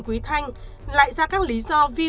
quý thanh lại ra các lý do vi